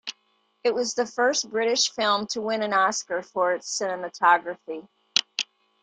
It was the first British film to win an Oscar for its cinematography.